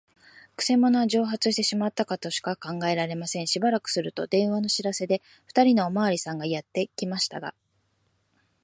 くせ者は蒸発してしまったとしか考えられません。しばらくすると、電話の知らせで、ふたりのおまわりさんがやってきましたが、